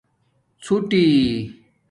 څھݸٹی